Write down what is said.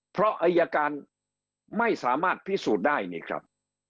เพราะอายการไม่สามารถพิสูจน์ได้นี่ครับ